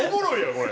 これ。